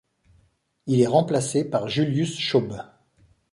Il est remplacé par Julius Schaub.